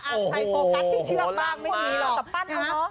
อาถใส่โฟกัสกินเชื่อกบ้างไม่มีหรอก